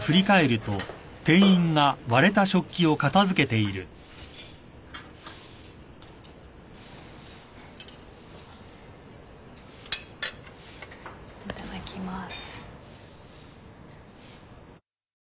いただきます。